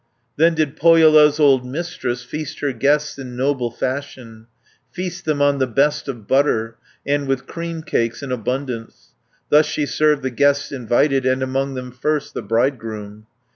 Then did Pohjola's old Mistress, Feast her guests in noble fashion, Feast them on the best of butter, And with cream cakes in abundance; 230 Thus she served the guests invited, And among them first the bridegroom.